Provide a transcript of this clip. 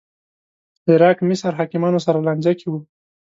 عراق مصر حاکمانو سره لانجه کې و